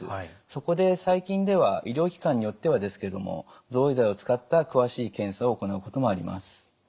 そこで最近では医療機関によってはですけども造影剤を使った詳しい検査を行うこともあります。